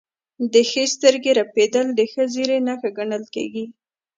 د ښي سترګې رپیدل د ښه زیری نښه ګڼل کیږي.